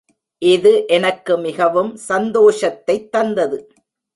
இது எனக்கு மிகவும் சந்தோஷத்தைத் தந்தது.